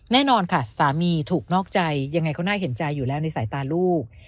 แน่นอนค่ะสามีถูกนอกใจยังไงเขาน่าเห็นใจอยู่แล้วในสายตาลูก